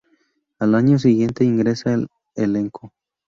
Al año siguiente ingresa al elenco.